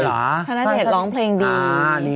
ธนเดชน์ร้องเพลงดี